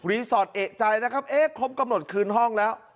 สอดเอกใจนะครับเอ๊ะครบกำหนดคืนห้องแล้ว